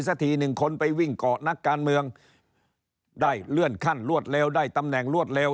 สักทีหนึ่งคนไปวิ่งเกาะนักการเมืองได้เลื่อนขั้นรวดเร็วได้ตำแหน่งรวดเร็ว